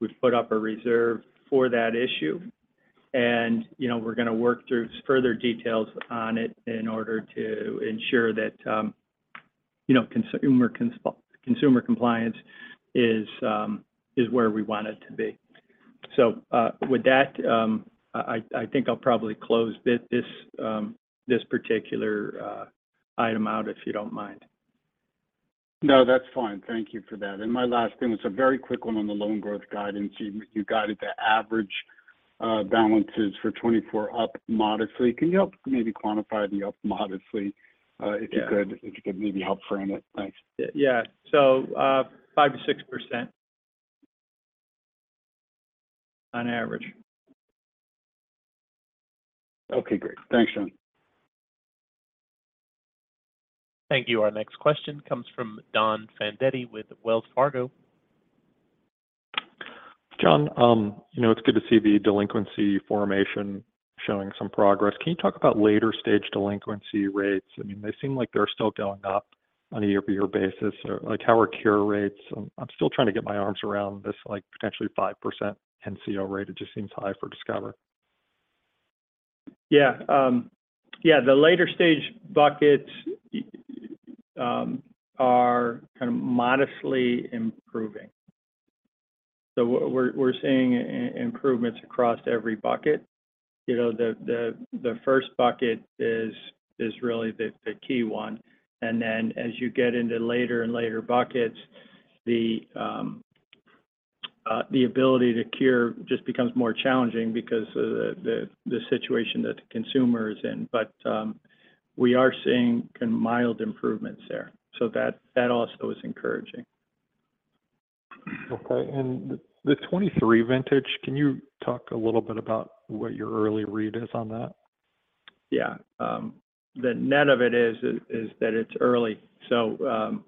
we've put up a reserve for that issue, and, you know, we're gonna work through further details on it in order to ensure that, you know, consumer compliance is where we want it to be. So, with that, I think I'll probably close this particular item out, if you don't mind. No, that's fine. Thank you for that. My last thing was a very quick one on the loan growth guidance. You guided the average balances for 2024 up modestly. Can you help maybe quantify the up modestly? Yeah... if you could, if you could maybe help frame it? Thanks. Yeah. 5%-6% on average. Okay, great. Thanks, John. Thank you. Our next question comes from Don Fandetti with Wells Fargo. John, you know, it's good to see the delinquency formation showing some progress. Can you talk about later-stage delinquency rates? I mean, they seem like they're still going up on a year-over-year basis. Or, like, how are cure rates? I'm, I'm still trying to get my arms around this, like, potentially 5% NCO rate. It just seems high for Discover. Yeah. Yeah, the later-stage buckets are kind of modestly improving. So we're seeing improvements across every bucket. You know, the first bucket is really the key one, and then as you get into later and later buckets, the ability to cure just becomes more challenging because of the situation that the consumer is in. But we are seeing kind of mild improvements there, so that also is encouraging. Okay. The 2023 vintage, can you talk a little bit about what your early read is on that? Yeah. The net of it is, is that it's early. So,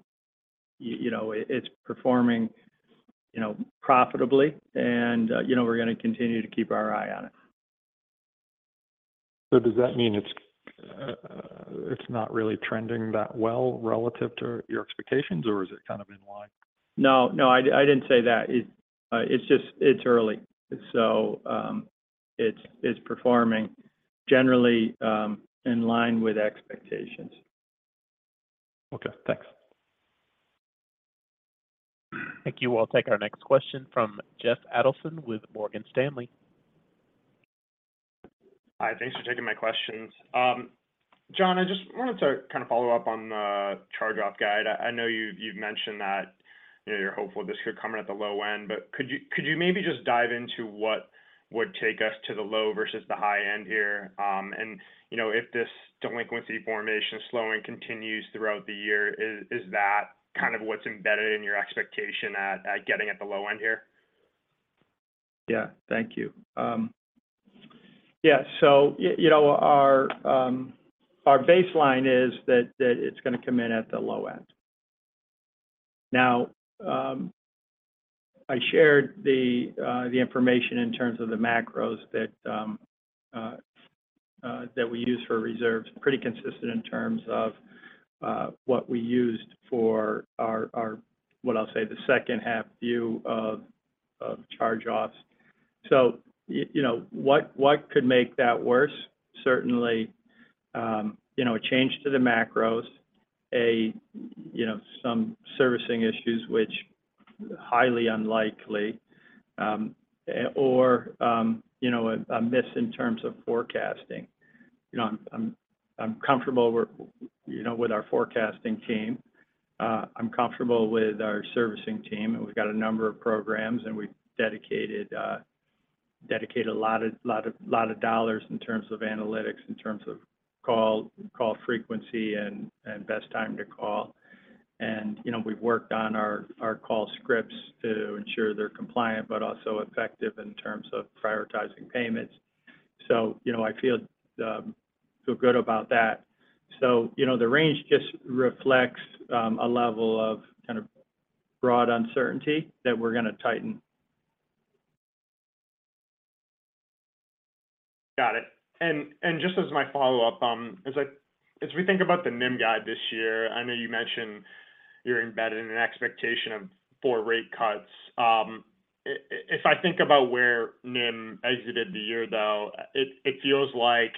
you know, it, it's performing, you know, profitably, and, you know, we're gonna continue to keep our eye on it.... So does that mean it's, it's not really trending that well relative to your expectations, or is it kind of in line? No, no, I didn't say that. It's just, it's early. So, it's performing generally in line with expectations. Okay, thanks. Thank you. We'll take our next question from Jeff Adelson with Morgan Stanley. Hi, thanks for taking my questions. John, I just wanted to kind of follow up on the charge-off guide. I know you, you've mentioned that, you know, you're hopeful this could come in at the low end, but could you maybe just dive into what would take us to the low versus the high end here? And, you know, if this delinquency formation slowing continues throughout the year, is that kind of what's embedded in your expectation at getting at the low end here? Yeah. Thank you. Yeah, so you know, our baseline is that it's going to come in at the low end. Now, I shared the information in terms of the macros that we use for reserves. Pretty consistent in terms of what we used for our, what I'll say, the second half view of charge-offs. So you know, what could make that worse? Certainly, you know, a change to the macros, you know, some servicing issues which highly unlikely, or you know, a miss in terms of forecasting. You know, I'm comfortable with you know, with our forecasting team. I'm comfortable with our servicing team, and we've got a number of programs, and we've dedicated a lot of, lot of, lot of dollars in terms of analytics, in terms of call frequency and best time to call. And, you know, we've worked on our call scripts to ensure they're compliant, but also effective in terms of prioritizing payments. So, you know, I feel good about that. So, you know, the range just reflects a level of kind of broad uncertainty that we're going to tighten. Got it. And just as my follow-up, as we think about the NIM guide this year, I know you mentioned you're embedded in an expectation of four rate cuts. If I think about where NIM exited the year, though, it feels like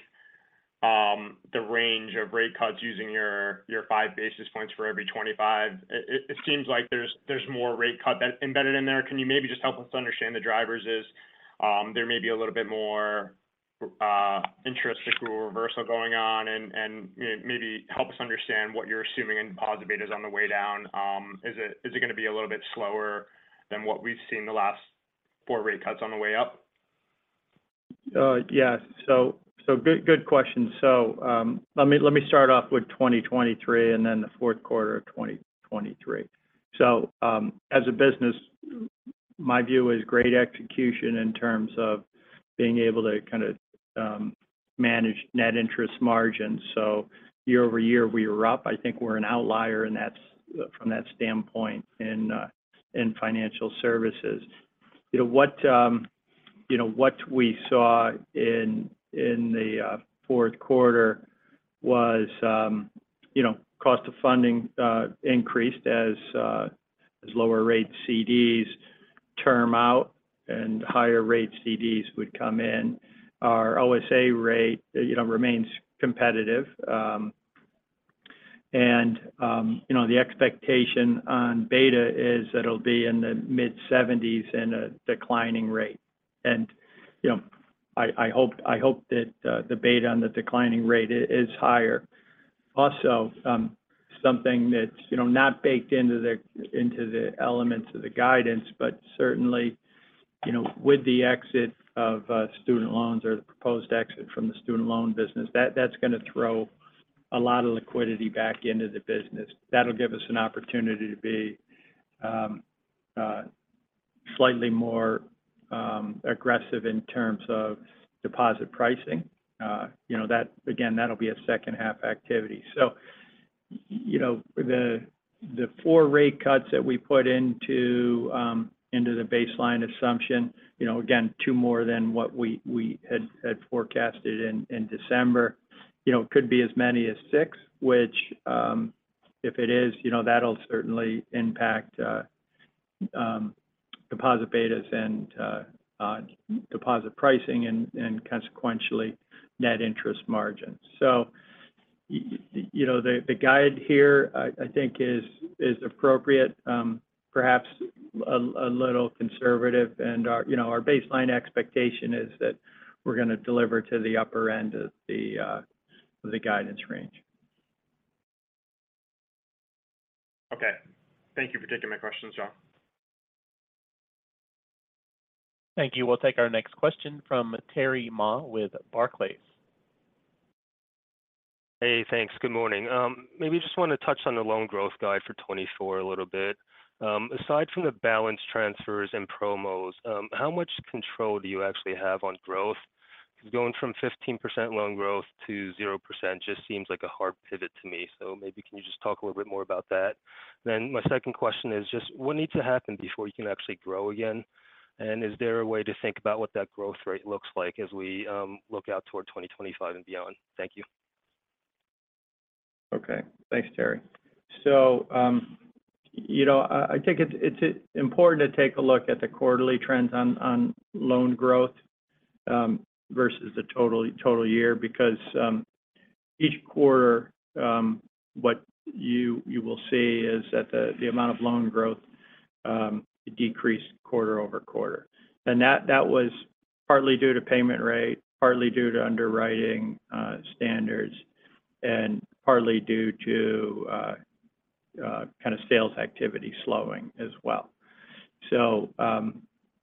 the range of rate cuts using your 5 basis points for every 25, it seems like there's more rate cut embedded in there. Can you maybe just help us understand the drivers? Is there may be a little bit more interest rate reversal going on? And you know, maybe help us understand what you're assuming in deposit betas on the way down. Is it going to be a little bit slower than what we've seen the last four rate cuts on the way up? Yes. So good question. So let me start off with 2023, and then the fourth quarter of 2023. So as a business, my view is great execution in terms of being able to kind of manage net interest margin. So year-over-year, we were up. I think we're an outlier, and that's from that standpoint in financial services. You know, what we saw in the fourth quarter was you know, cost of funding increased as lower rate CDs term out and higher rate CDs would come in. Our OSA rate you know remains competitive. And you know, the expectation on beta is that it'll be in the mid-70s and a declining rate. You know, I hope that the beta on the declining rate is higher. Also, something that's, you know, not baked into the elements of the guidance, but certainly, you know, with the exit of student loans or the proposed exit from the student loan business, that's going to throw a lot of liquidity back into the business. That'll give us an opportunity to be slightly more aggressive in terms of deposit pricing. You know, that again, that'll be a second-half activity. So, you know, the four rate cuts that we put into the baseline assumption, you know, again, two more than what we had forecasted in December. You know, it could be as many as six, which, if it is, you know, that'll certainly impact deposit betas and deposit pricing and consequentially Net Interest Margin. So you know, the guide here, I think is appropriate, perhaps a little conservative. And our, you know, our baseline expectation is that we're going to deliver to the upper end of the guidance range. Okay. Thank you for taking my questions, John. Thank you. We'll take our next question from Terry Ma with Barclays. Hey, thanks. Good morning. Maybe just want to touch on the loan growth guide for 2024 a little bit. Aside from the balance transfers and promos, how much control do you actually have on growth? Because going from 15% loan growth to 0% just seems like a hard pivot to me. So maybe can you just talk a little bit more about that? Then my second question is just: what needs to happen before you can actually grow again? And is there a way to think about what that growth rate looks like as we look out toward 2025 and beyond? Thank you.... Okay, thanks, Terry. So, you know, I think it's important to take a look at the quarterly trends on loan growth versus the total year. Because each quarter, what you will see is that the amount of loan growth decreased quarter-over-quarter. And that was partly due to payment rate, partly due to underwriting standards, and partly due to kind of sales activity slowing as well. So,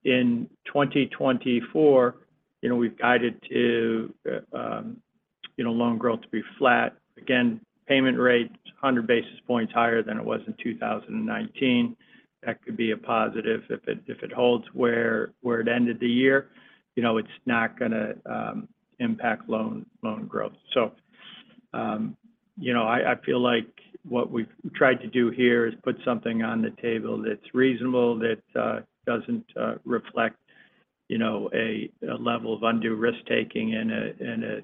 in 2024, you know, we've guided to, you know, loan growth to be flat. Again, payment rate is 100 basis points higher than it was in 2019. That could be a positive if it holds where it ended the year. You know, it’s not gonna impact loan growth. So, I feel like what we've tried to do here is put something on the table that's reasonable, that doesn't reflect, you know, a level of undue risk-taking in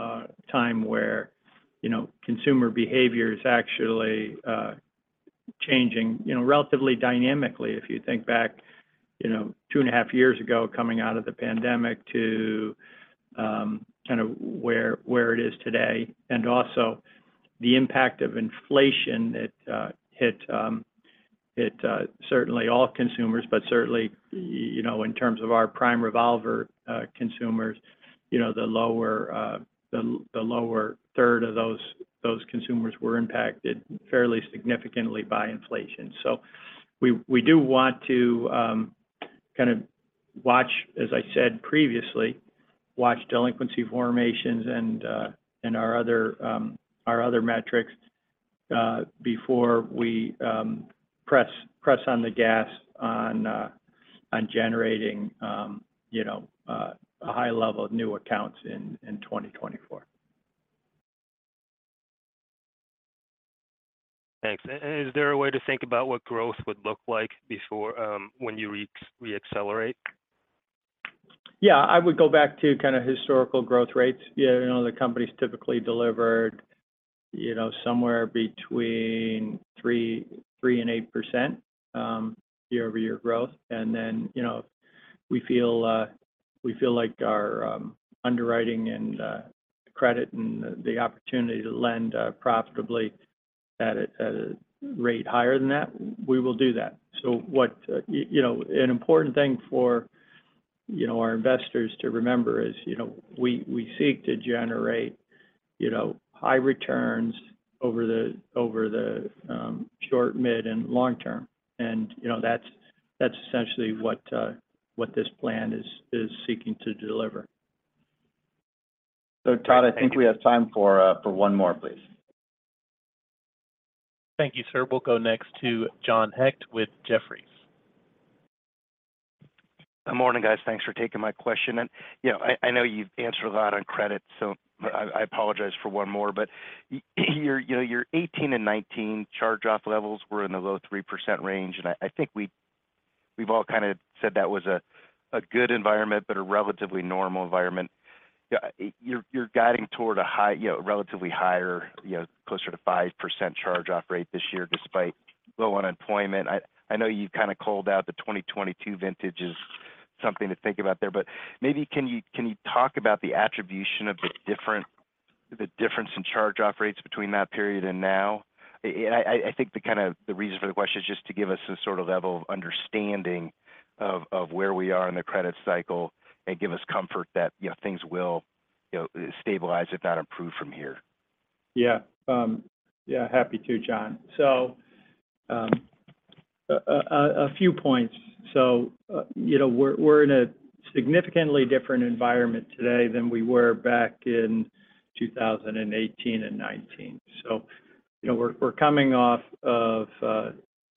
a time where, you know, consumer behavior is actually changing, you know, relatively dynamically. If you think back, you know, 2.5 years ago, coming out of the pandemic to kind of where it is today. And also the impact of inflation that hit it certainly all consumers, but certainly, you know, in terms of our prime revolver consumers, you know, the lower third of those consumers were impacted fairly significantly by inflation. So we do want to kind of watch, as I said previously, watch delinquency formations and our other metrics before we press on the gas on generating, you know, a high level of new accounts in 2024. Thanks. And is there a way to think about what growth would look like before, when you reaccelerate? Yeah, I would go back to kind of historical growth rates. Yeah, you know, the company's typically delivered, you know, somewhere between 3% and 8%, year-over-year growth. And then, you know, we feel we feel like our underwriting and credit, and the opportunity to lend profitably at a rate higher than that, we will do that. So you know, an important thing for, you know, our investors to remember is, you know, we seek to generate, you know, high returns over the short, mid, and long term. And, you know, that's essentially what this plan is seeking to deliver. Todd, I think we have time for one more, please. Thank you, sir. We'll go next to John Hecht with Jefferies. Good morning, guys. Thanks for taking my question. And, you know, I know you've answered a lot on credit, so I apologize for one more. But your, you know, your 2018 and 2019 charge-off levels were in the low 3% range, and I think we've all kind of said that was a good environment, but a relatively normal environment. Yeah, you're guiding toward a relatively higher, you know, closer to 5% charge-off rate this year, despite low unemployment. I know you've kind of called out the 2022 vintage is something to think about there. But maybe, can you talk about the attribution of the difference in charge-off rates between that period and now? I think the reason for the question is just to give us some sort of level of understanding of where we are in the credit cycle and give us comfort that, you know, things will, you know, stabilize, if not improve from here. Yeah. Yeah, happy to, John. So, a few points. So, you know, we're, we're in a significantly different environment today than we were back in 2018 and 2019. So, you know, we're, we're coming off of,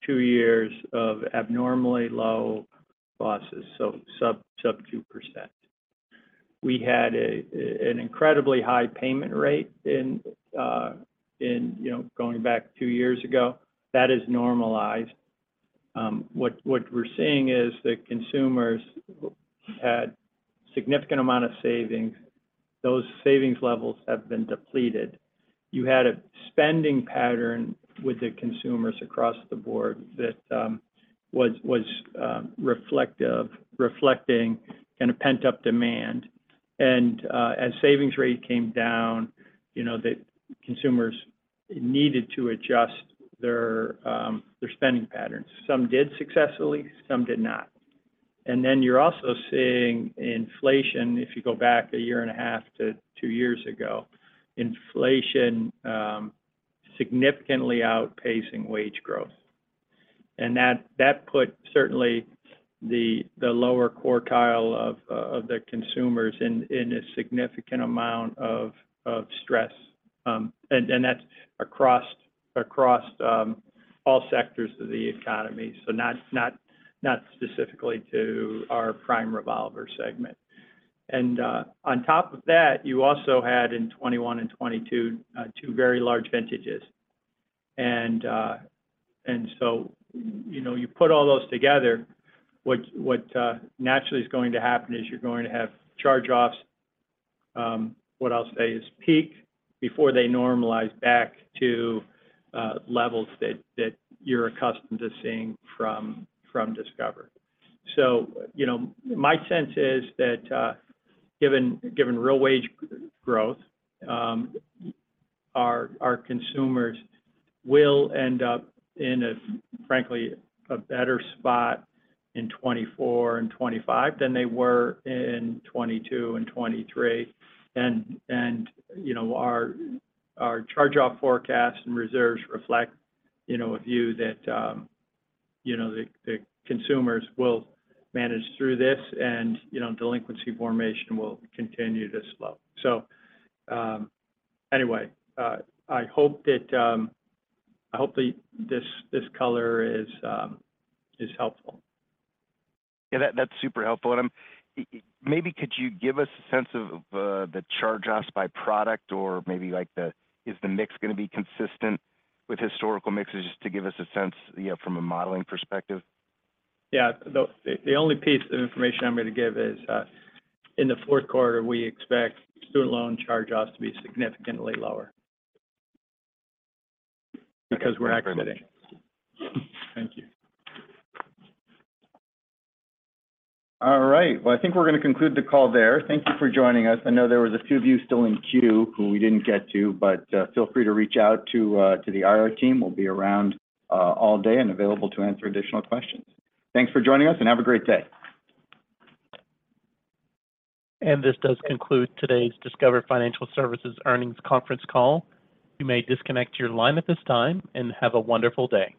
two years of abnormally low losses, so sub-2%. We had an incredibly high payment rate in, you know, going back two years ago. That is normalized. What we're seeing is that consumers had significant amount of savings. Those savings levels have been depleted. You had a spending pattern with the consumers across the board that was reflective kind of pent-up demand. And, as savings rate came down, you know, the consumers needed to adjust their, their spending patterns. Some did successfully, some did not. And then, you're also seeing inflation, if you go back a year and a half to two years ago, inflation significantly outpacing wage growth. And that put certainly the lower quartile of the consumers in a significant amount of stress. And that's across all sectors of the economy, so not specifically to our prime revolver segment. And on top of that, you also had, in 2021 and 2022, two very large vintages... And so, you know, you put all those together, what naturally is going to happen is you're going to have charge-offs, what I'll say is peak before they normalize back to levels that you're accustomed to seeing from Discover. So, you know, my sense is that, given real wage growth, our consumers will end up in a frankly better spot in 2024 and 2025 than they were in 2022 and 2023. And, you know, our charge-off forecast and reserves reflect, you know, a view that, you know, the consumers will manage through this, and, you know, delinquency formation will continue to slow. So, anyway, I hope that this color is helpful. Yeah, that's super helpful. And, maybe could you give us a sense of the charge-offs by product or maybe, like, the-- is the mix going to be consistent with historical mixes? Just to give us a sense, you know, from a modeling perspective. Yeah. The only piece of information I'm going to give is, in the fourth quarter, we expect student loan charge-offs to be significantly lower. Because we're exiting. Thank you. All right. Well, I think we're going to conclude the call there. Thank you for joining us. I know there was a few of you still in queue who we didn't get to, but, feel free to reach out to, to the IR team. We'll be around, all day and available to answer additional questions. Thanks for joining us, and have a great day. This does conclude today's Discover Financial Services Earnings conference call. You may disconnect your line at this time, and have a wonderful day.